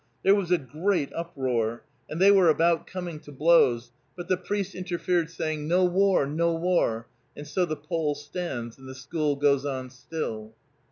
There was a great uproar, and they were about coming to blows, but the priest interfered, saying, "No war, no war," and so the pole stands, and the school goes on still.